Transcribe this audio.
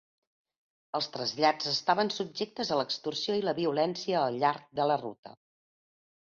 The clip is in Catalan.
Els traslladats estaven subjectes a l'extorsió i la violència al llarg de la ruta.